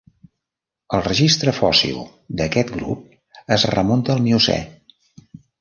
El registre fòssil d'aquest grup es remunta al Miocè.